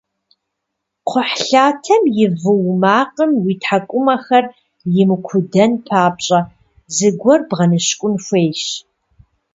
Кхъухьлъатэм и вуу макъым уи тхьэкӏумэхэр имыкудэн папщӏэ зыгуэр бгъэныщкӏун хуейщ.